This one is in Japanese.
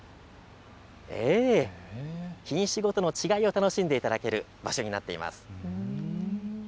品種ごとの違いを楽しんでいただける場所になっています。